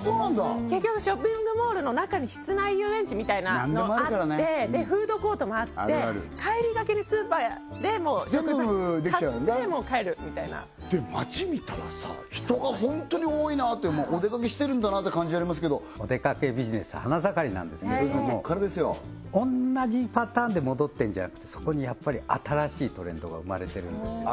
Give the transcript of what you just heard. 結局ショッピングモールの中に室内遊園地みたいなのあって何でもあるからねでフードコートもあってあるある帰りがけにスーパーで食材買って帰るみたいな全部できちゃうからなで街見たらさ人が本当に多いなっておでかけしてるんだなって感じありますけどおでかけビジネス花盛りなんですけれども同じパターンで戻ってるんじゃなくてそこにやっぱり新しいトレンドが生まれてるんですよね